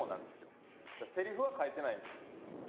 セリフは書いてないんですよ。